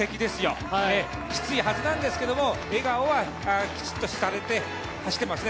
きついはずなんですけれども、笑顔はきちっとされて走っていますね。